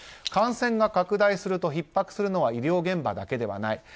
感染が拡大するとひっ迫するのは医療現場だけではない。